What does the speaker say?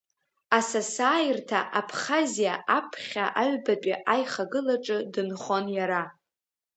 Асасааирҭа Абхазиа аԥхьа аҩбатәи аихагылаҿы дынхон иара.